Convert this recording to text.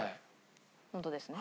ホントですね？